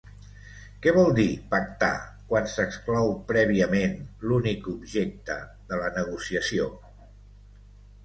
Què vol dir pactar quan s’exclou prèviament l’únic objecte de la negociació?